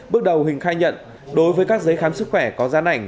bước đầu huỳnh khai nhận đối với các giấy khám sức khỏe có dán ảnh